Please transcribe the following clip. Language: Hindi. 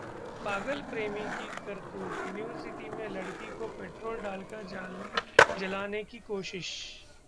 पागल प्रेमी की करतूत, यूनिवर्सिटी में लड़की को पेट्रोल डालकर जलाने की कोशिश